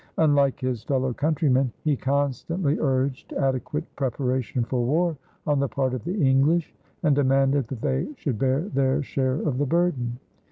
Unlike his fellow countrymen, he constantly urged adequate preparation for war on the part of the English and demanded that they should bear their share of the burden.